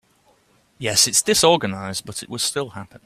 Yes, it’s disorganized but it will still happen.